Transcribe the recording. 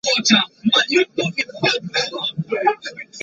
Cartan's theorem B.